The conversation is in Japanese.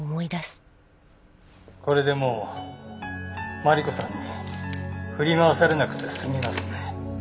これでもうマリコさんに振り回されなくて済みますね。